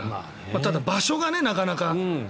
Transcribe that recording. ただ場所がなかなかね。